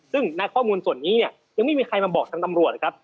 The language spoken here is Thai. ซึ่งข้อมูลส่วนนี้ยังไม่มีใครมาบอกทางกำรวจครับ